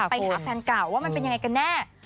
ไปหาแฟนเก่าว่ามันเป็นยังไงกันแน่